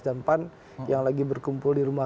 dan pan yang lagi berkumpul di rumah